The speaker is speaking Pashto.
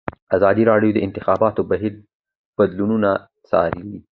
ازادي راډیو د د انتخاباتو بهیر بدلونونه څارلي.